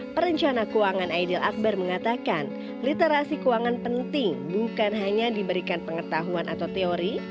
perencana keuangan aidil akbar mengatakan literasi keuangan penting bukan hanya diberikan pengetahuan atau teori